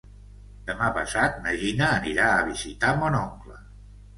Demà passat na Gina anirà a visitar mon oncle.